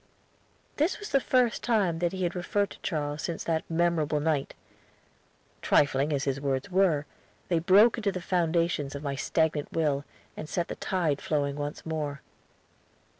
This was the first time that he had referred to Charles since that memorable night. Trifling as his words were, they broke into the foundations of my stagnant will, and set the tide flowing once more.